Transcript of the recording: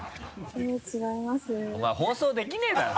お前放送できねぇだろ！